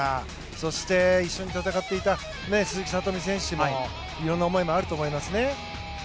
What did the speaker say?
そして一緒に戦っていた鈴木聡美選手にいろいろな思いもあると思いますね。